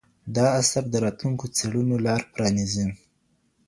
دا اثر د راتلونکو څېړنو لار پرانیزي.